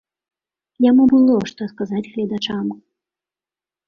Яму было што сказаць гледачам.